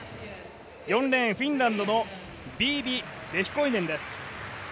４レーン、フィンランドのビービ・レヒコイネンです。